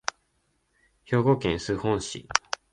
兵庫県洲本市